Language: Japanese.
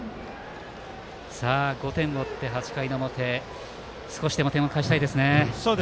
５点を追って８回の表少しでも点を返したいですね。